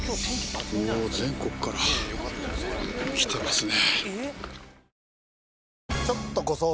全国から来てますね。